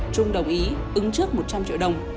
trung đồng ý ứng trước một trăm linh triệu đồng